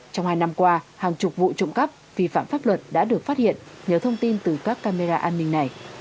trong hai năm qua hàng chục vụ trụng cắp phi phạm pháp luật đã được phát hiện nhiều thông tin từ các camera an ninh này